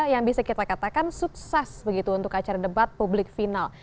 yang bisa kita katakan sukses begitu untuk acara debat publik final